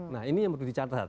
nah ini yang perlu dicatat